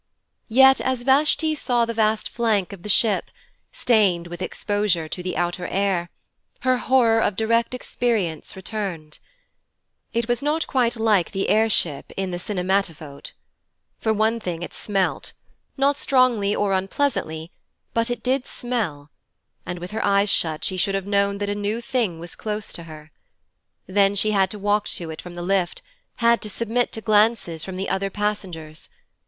Yet as Vashti saw the vast flank of the ship, stained with exposure to the outer air, her horror of direct experience returned. It was not quite like the air ship in the cinematophote. For one thing it smelt not strongly or unpleasantly, but it did smell, and with her eyes shut she should have known that a new thing was close to her. Then she had to walk to it from the lift, had to submit to glances from the other passengers.